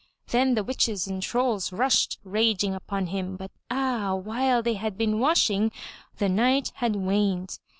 Then the witches and trolls rushed raging upon him, but ah! while they had been washing, the night had waned.